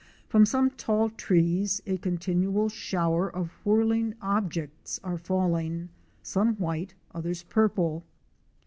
From some tall trees a continual shower of whirling objects are falling, some white, others purple.